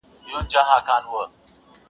لرګی په اور کي ښوروي په اندېښنو کي ډوب دی،